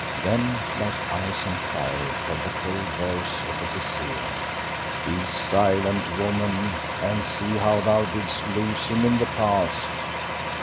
Then, like ice on fire fell the cold voice of the Hesea. "Be silent, woman, and see how thou didst lose him in the past."